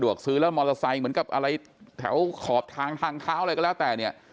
ซื้อแล้วมอเตอร์ไซค์เหมือนกับอะไรแถวขอบทางทางเท้าอะไรก็แล้วแต่เนี่ย